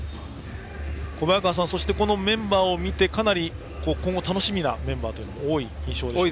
小早川さん、そしてこのメンバーを見てかなり今後、楽しみなメンバーも多い印象ですね。